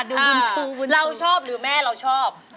เราชอบหรือแม่เราชอบ